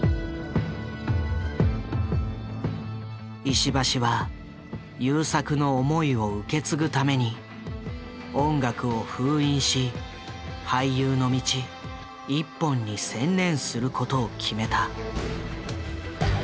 石橋は優作の思いを受け継ぐために音楽を封印し俳優の道一本に専念することを決めた。